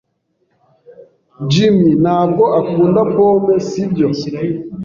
Jim ntabwo akunda pome, sibyo?